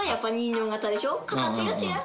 形が違う。